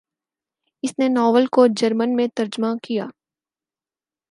اس نے ناول کو جرمن میں ترجمہ کیا۔